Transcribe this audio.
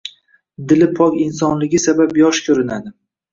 Dili pok insonligi sabab yosh ko`rinadi